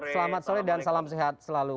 selamat sore dan salam sehat selalu